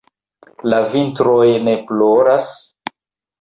la vintroj ne ploras?